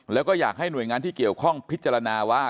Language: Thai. แล้วก็อยากให้หน่วยงานที่เกี่ยวข้องพิจารณาว่า